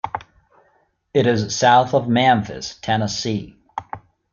It is south of Memphis, Tennessee.